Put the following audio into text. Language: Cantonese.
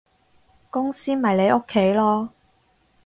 公司咪你屋企囉